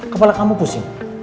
kepala kamu pusing